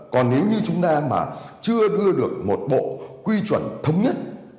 còn nếu như chúng ta mà chưa đưa được một bộ quy chuẩn thống nhất